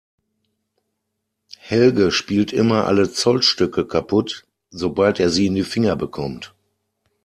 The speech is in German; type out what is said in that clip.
Helge spielt immer alle Zollstöcke kaputt, sobald er sie in die Finger bekommt.